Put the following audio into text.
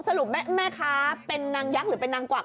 สรุปแม่ค้าเป็นนางยักษ์หรือเป็นนางกวัก